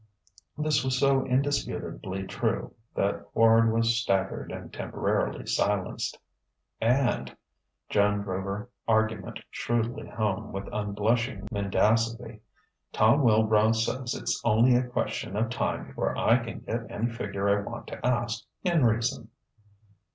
This was so indisputably true that Quard was staggered and temporarily silenced. "And," Joan drove her argument shrewdly home with unblushing mendacity "Tom Wilbrow says it's only a question of time before I can get any figure I want to ask, in reason."